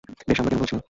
বেশ, আমরা কেনো বলছিনা?